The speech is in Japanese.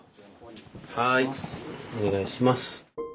はいお願いします。